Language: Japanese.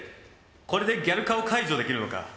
これでギャル化を解除できるのか。